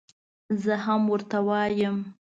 زه هم ورته وایم.